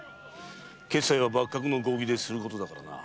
決裁は幕閣の合議ですることだからな。